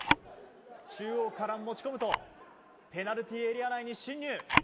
中央から持ち込むとペナルティーエリア内に侵入